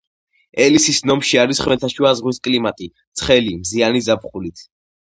ელისის ნომში არის ხმელთაშუა ზღვის კლიმატი, ცხელი, მზიანი ზაფხულით.